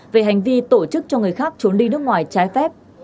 về hành vi tổ chức cho người khác trốn đi nước ngoài trái phép